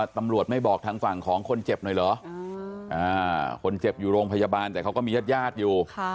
ตำรวจไม่บอกทางฝั่งของคนเจ็บหน่อยเหรอคนเจ็บอยู่โรงพยาบาลแต่เขาก็มีญาติญาติอยู่